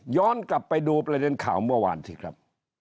กลับไปดูประเด็นข่าวเมื่อวานสิครับ